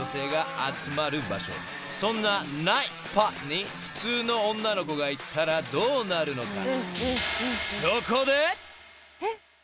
［そんなナイトスポットに普通の女の子が行ったらどうなるのか？］